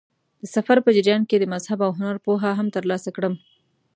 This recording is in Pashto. د سفر په جریان کې د مذهب او هنر پوهه هم ترلاسه کړم.